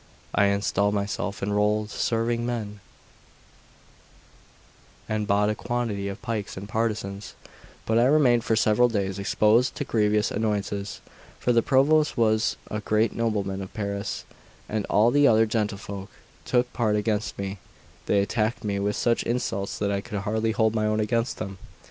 I installed myself, enrolled serving men, and bought a quantity of pikes and partisans; but I remained for several days exposed to grievous annoyances, for the Provost was a great nobleman of Paris, and all the other gentlefolk took part against me; they attacked me with such insults that I could hardly hold my own against them.